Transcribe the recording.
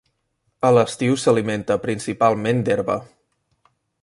A l'estiu s'alimenta principalment d'herba.